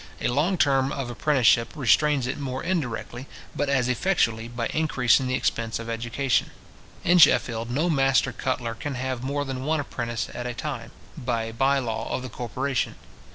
A long term of apprenticeship restrains it more indirectly, but as effectually, by increasing the expense of education. In Sheffield, no master cutler can have more than one apprentice at a time, by a bye law of the corporation.